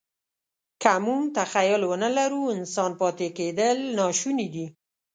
که موږ تخیل ونهلرو، انسان پاتې کېدل ناشوني دي.